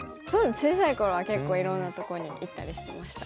小さい頃は結構いろんなとこに行ったりしてました。